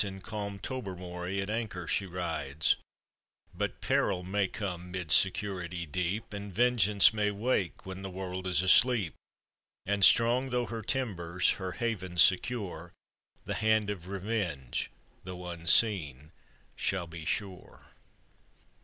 In calm Tobermory at anchor she rides; But peril may come 'mid security deep, And vengeance may wake when the world is asleep; And strong though her timbers— her haven secure. The hand of revenge, though unseen, shall be sure."